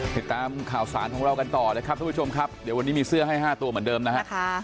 ติดตามข่าวสารของเรากันต่อนะครับทุกผู้ชมครับเดี๋ยววันนี้มีเสื้อให้๕ตัวเหมือนเดิมนะฮะ